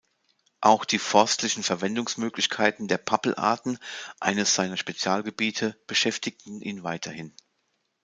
Auch die forstlichen Verwendungsmöglichkeiten der Pappel-Arten, eines seiner Spezialgebiete, beschäftigten ihn weiterhin.